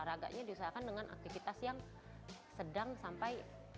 penjagaan tentu lebih sehat dibandingkan dengan aktivitas yang sedang sampai vigorous